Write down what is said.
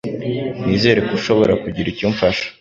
Nizere ko ushobora kugira icyo umfasha.